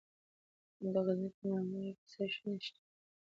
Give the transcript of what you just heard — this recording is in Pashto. د غزني په ناوور کې څه شی شته؟